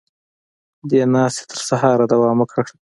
دې ناستې تر سهاره دوام وکړ.